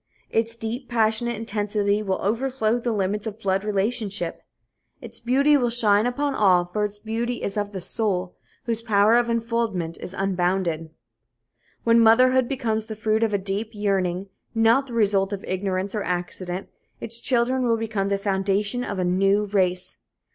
Its deep, passionate intensity will overflow the limits of blood relationship. Its beauty will shine upon all, for its beauty is of the soul, whose power of enfoldment is unbounded. When motherhood becomes the fruit of a deep yearning, not the result of ignorance or accident, its children will become the foundation of a new race.